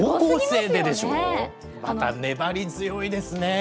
また粘り強いですね。